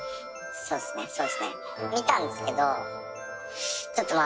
そうですねそうですね。